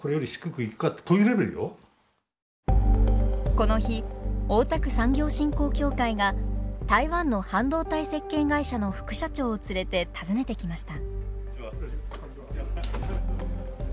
この日大田区産業振興協会が台湾の半導体設計会社の副社長を連れて訪ねてきました。